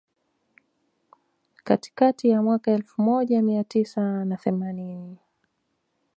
Katikati ya mwaka elfu moja mia tisa na themanini